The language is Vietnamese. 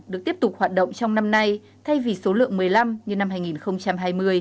được tiếp tục hoạt động trong năm nay thay vì số lượng một mươi năm như năm hai nghìn hai mươi